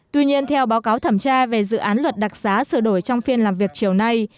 tuy nhiên theo báo cáo thẩm tra về dự án luật đặc xá sửa đổi trong phiên làm việc chiều nay